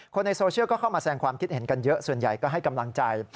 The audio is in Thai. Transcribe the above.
ในโซเชียลก็เข้ามาแสงความคิดเห็นกันเยอะส่วนใหญ่ก็ให้กำลังใจ